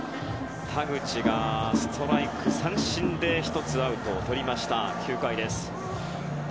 田口がストライク三振で１つアウトをとりました９回です。